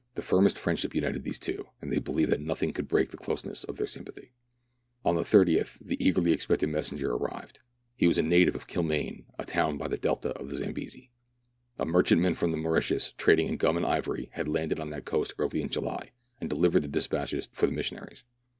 The firmest friendship united these two, and they believed that nothing could break the closeness of their sympathy. On the 30th the eagerly expected messenger arrived. He was a native of Kilmaine, a town by the delta of the Zambesi. A merchantman from the Mauritius, trading in gum and ivory, had landed on that coast early in July, and delivered the despatches for the missionaries.